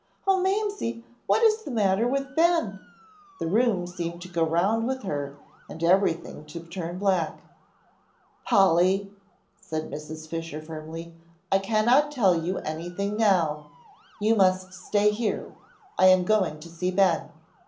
"Oh, Mamsie, what is the matter with Ben?" The room seemed to go round with her and everything to turn black. "Polly," said Mrs. Fisher, firmly, "I cannot tell you anything now. You must stay here. I am going to see Ben."